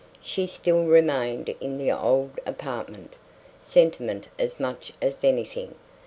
She still remained in the old apartment; sentiment as much as anything.